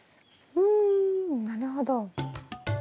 ふんなるほど。